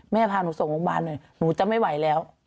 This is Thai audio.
พาหนูส่งโรงพยาบาลหน่อยหนูจะไม่ไหวแล้ว